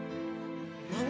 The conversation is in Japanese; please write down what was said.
何。